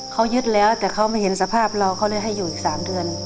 เขายึดแล้วแต่เขาไม่เห็นสภาพเราเขาเลยให้อยู่อีก๓เดือน